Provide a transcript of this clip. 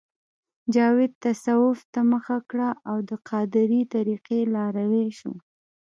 جاوید تصوف ته مخه کړه او د قادرې طریقې لاروی شو